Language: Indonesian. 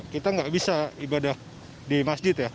kita nggak bisa ibadah di masjid ya